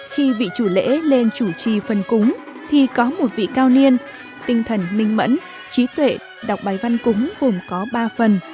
khi vị chủ lễ lên chủ trì phần cúng thì có một vị cao niên tinh thần minh mẫn trí tuệ đọc bài văn cúng gồm có ba phần